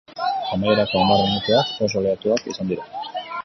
Amaierako hamar minutuak oso lehiatuak izan dira.